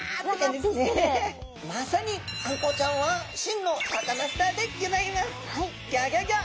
まさにあんこうちゃんは真のサカナスターでギョざいます！